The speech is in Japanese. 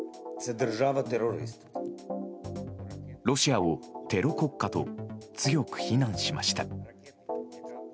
ロシアをテロ国家と強く非難しました。